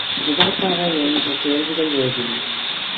எதற்காக என்ற கேள்விகள் எழுந்தன.